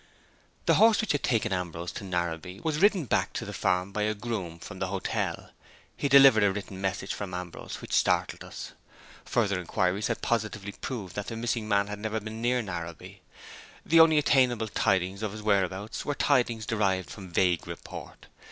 The horse which had taken Ambrose to Narrabee was ridden back to the farm by a groom from the hotel. He delivered a written message from Ambrose which startled us. Further inquiries had positively proved that the missing man had never been near Narrabee. The only attainable tidings of his whereabouts were tidings derived from vague report.